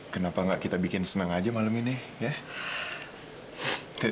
kenapa nggak kita bikin senang aja malam ini ya